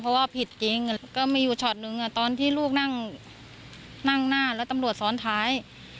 เพราะว่าผิดจริงก็มีอยู่ช็อตนึงตอนที่ลูกนั่งหน้าแล้วตำรวจซ้อนท้าย